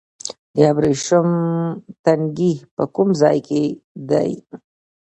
د ابریشم تنګی په کوم ځای کې دی؟